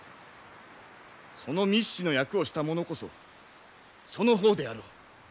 その密使の役をした者こそその方であろう。